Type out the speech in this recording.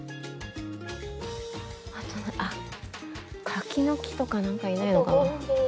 柿の木とか何かいないのかな？